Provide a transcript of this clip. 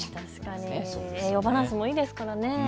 栄養バランスもいいですからね。